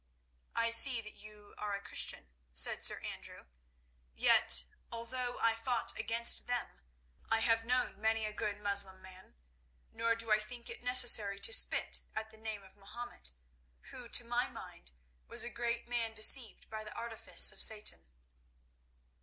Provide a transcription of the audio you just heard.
"I see that you are a Christian," said Sir Andrew. "Yet, although I fought against them, I have known many a good Mussulman. Nor do I think it necessary to spit at the name of Mahomet, who to my mind was a great man deceived by the artifice of Satan."